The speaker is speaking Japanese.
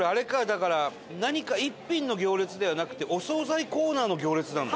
だから何か１品の行列ではなくてお総菜コーナーの行列なんだ？